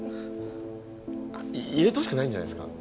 入れて欲しくないんじゃないですか？